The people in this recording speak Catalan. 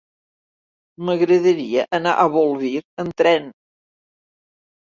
M'agradaria anar a Bolvir amb tren.